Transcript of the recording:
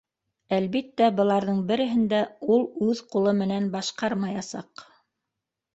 Әлбиттә, быларҙың береһен дә ул үҙ ҡулы менән башҡармаясаҡ.